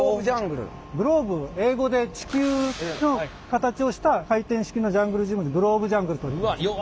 グローブ英語で地球の形をした回転式のジャングルジムでグローブジャングルといいます。